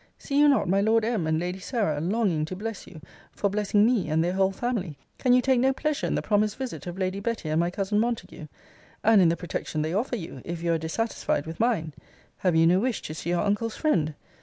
See you not my Lord M. and Lady Sarah longing to bless you, for blessing me, and their whole family? Can you take no pleasure in the promised visit of Lady Betty and my cousin Montague? And in the protection they offer you, if you are dissatisfied with mine? Have you no wish to see your uncle's friend?